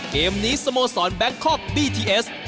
เกมนี้สโมสรแบงคอกบีทีเอส